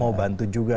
mau bantu juga